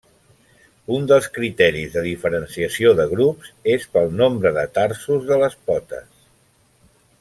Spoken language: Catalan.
Un dels criteris de diferenciació de grups és pel nombre de tarsos de les potes.